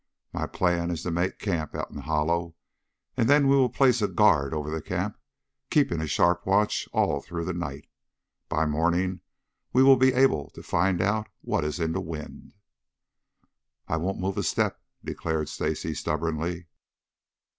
My plan is to make camp out in the hollow; then we will place a guard over the camp, keeping a sharp watch all through the night. By morning we'll be able to find out what is in the wind." "I won't move a step," declared Stacy stubbornly.